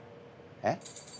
えっ？